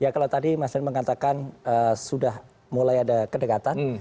ya kalau tadi mas ren mengatakan sudah mulai ada kedekatan